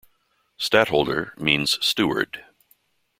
"Stadtholder" means "steward".